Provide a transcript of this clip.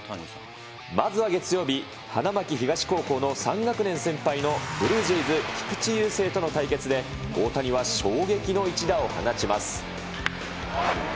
まずは月曜日、花巻東高校の３学年先輩のブルージェイズ、菊池雄星との対決で、大谷は衝撃の一打を放ちます。